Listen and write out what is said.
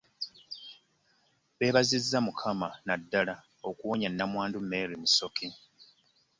Beebazizza mukama nnaddala okuwonya namwandu Mary Musoke